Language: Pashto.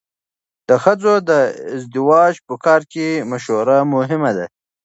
د ښځو د ازدواج په کار کې مشوره مهمه ده.